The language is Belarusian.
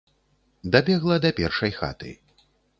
Дабегла да першай хаты.